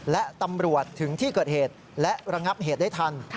และตำรวจถึงที่เกิดเหตุและระงับเหตุได้ทัน